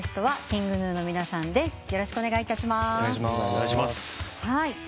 はい。